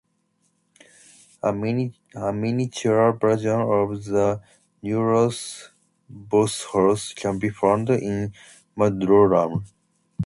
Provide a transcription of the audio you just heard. A miniature version of the Nereus boathouse can be found in Madurodam.